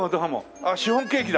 あっシフォンケーキだ。